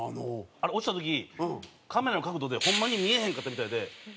あれ落ちた時カメラの角度でホンマに見えへんかったみたいで。